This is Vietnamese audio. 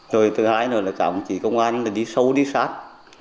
rồi thứ hai nữa là cả một chị công an đi sâu đi sát